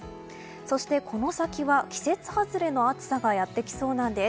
そして、この先は季節外れの暑さがやってきそうなんです。